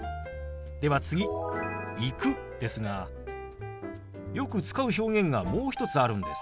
では次「行く」ですがよく使う表現がもう一つあるんです。